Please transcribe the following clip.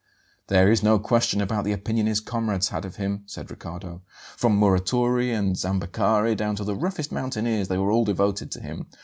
"There is no question about the opinion his comrades had of him," said Riccardo. "From Muratori and Zambeccari down to the roughest mountaineers they were all devoted to him.